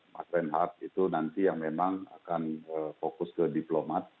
mas reinhardt itu nanti yang memang akan fokus ke diplomat